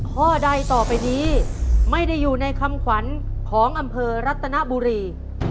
ข้อใดต่อไปนี้ไม่ได้อยู่ในคำขวัญของอำเภอรัตนบุรี